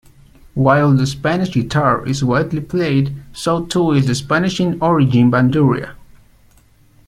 While the Spanish guitar is widely played, so too is the Spanish-in-origin bandurria.